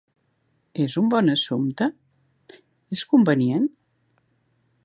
És un bon assumpte? És convenient?